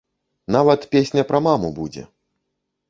Нават песня пра маму будзе!